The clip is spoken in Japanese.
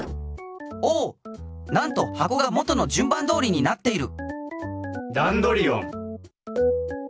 おなんとはこが元の順番どおりになっている！